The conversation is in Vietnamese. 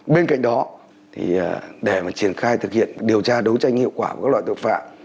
bên cạnh đó để triển khai thực hiện điều tra đấu tranh hiệu quả của các loại tội phạm